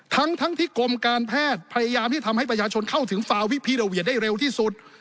ทั้งที่กรมการแพทย์พยายามที่ทำให้ประชาชนเข้าถึงฟาวิพีโรเวียดได้เร็วที่สุด